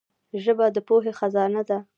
ژبه د پوهي خزانه ده.